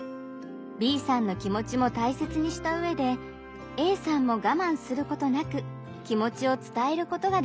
Ｂさんの気持ちも大切にした上でＡさんもがまんすることなく気持ちを伝えることができます。